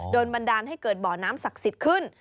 บันดาลให้เกิดบ่อน้ำศักดิ์สิทธิ์ขึ้น